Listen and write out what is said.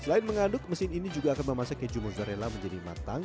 selain mengaduk mesin ini juga akan memasak keju mozzarella menjadi matang